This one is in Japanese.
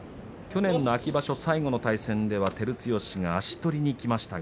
去年の秋場所最後の対戦では照強が足取りにいきました。